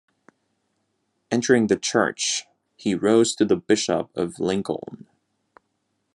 Entering the Church, he rose to be Bishop of Lincoln.